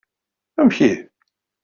Amek ihi?